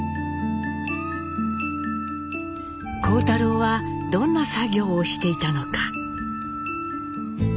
幸太郎はどんな作業をしていたのか？